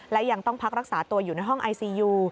และยังต้องพักรักษาตัวอยู่ในห้องไอซียู